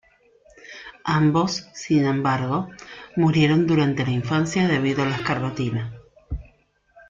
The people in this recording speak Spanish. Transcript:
Ambos, sin embargo, murieron durante la infancia debido a la escarlatina.